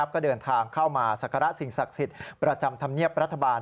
ก็เดินทางเข้ามาศักระสิ่งศักดิ์สิทธิ์ประจำธรรมเนียบรัฐบาล